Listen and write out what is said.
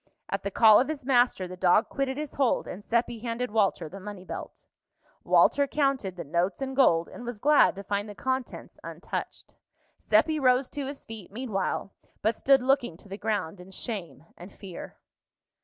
At the call of his master the dog quitted his hold, and Seppi handed Walter the money belt. Walter counted the notes and gold, and was glad to find the contents untouched. Seppi rose to his feet meanwhile, but stood looking to the ground in shame and fear.